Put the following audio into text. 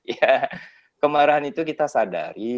ya kemarahan itu kita sadari